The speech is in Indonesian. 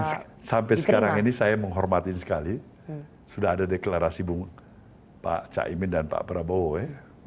sampai sekarang ini saya menghormati sekali sudah ada deklarasi pak caimin dan pak prabowo ya